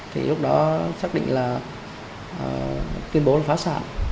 thì lúc đó xác định là tuyên bố là phá sản